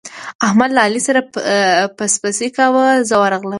احمد له علي سره پسپسی کاوو، زه ورغلم.